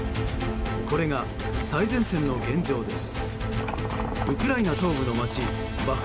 これが最前線の現状です。